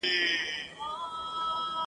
نه د بل په عقل پوهه کومکونو !.